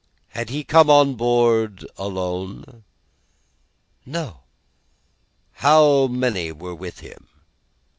Had he come on board alone?" "No." "How many were with him?"